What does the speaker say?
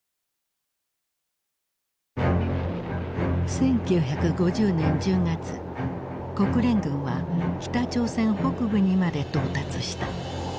１９５０年１０月国連軍は北朝鮮北部にまで到達した。